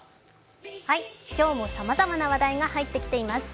今日もさまざまな話題が入ってきています。